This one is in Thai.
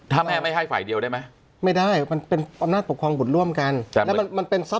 ถ้าแม่ไม่ให้ฝ่ายเดียวได้ไหมไม่ได้มันเป็นอำนาจปกครองบุตรร่วมกัน